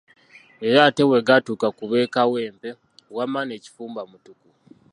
Leero ate bwe gwatuuka ku b'e Kawempe wamma ne kifumba mutuku.